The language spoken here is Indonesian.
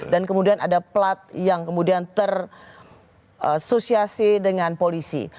dan kemudian ada plot yang kemudian tersosiasi dengan polisi